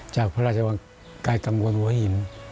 จากพระราชวังไกลกังวลหัวหิน